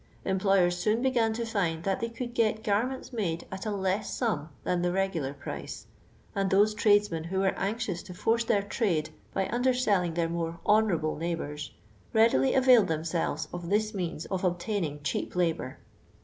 Employers soon began to hnd that they could get garments made at a less sum than the regular price, and those tnitlesmeu who were anxi >us to force thi'ir trade, by underselling their more honourable neighbours, readily availed thi^niselves of this means of obtaining cheap labour."